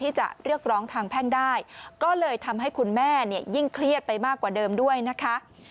ที่จะเรียกร้องทางแพ่งกับคนก่อเหตุได้ก็เลยทำให้คุณแม่ยิ่งเครียดไปมากกว่าเดิมด้วยนะคะ